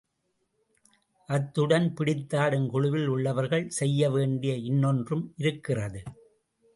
அத்துடன், பிடித்தாடும் குழுவில் உள்ளவர்கள் செய்ய வேண்டிய இன்னொன்றும் இருக்கிறது.